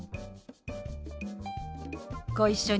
ご一緒に。